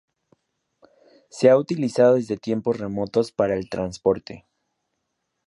Se ha utilizado desde tiempos remotos para el transporte.